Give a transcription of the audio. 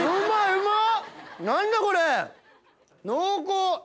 うまっ！